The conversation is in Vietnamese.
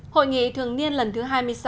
hội nghị thường niên lần thứ hai mươi sáu